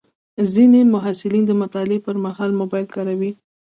ځینې محصلین د مطالعې پر مهال موبایل کاروي.